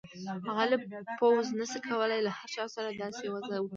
غالب پوځ نه شي کولای له هر چا سره داسې وضعه وکړي.